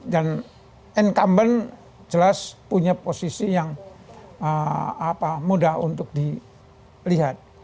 dan incumbent jelas punya posisi yang mudah untuk dilihat